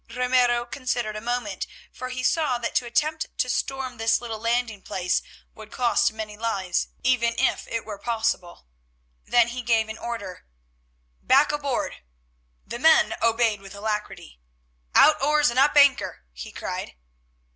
Ramiro considered a moment, for he saw that to attempt to storm this little landing place would cost many lives, even if it were possible. Then he gave an order, "Back aboard." The men obeyed with alacrity. "Out oars and up anchor!" he cried.